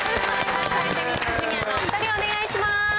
関西ジャニーズＪｒ．のお二人お願いします。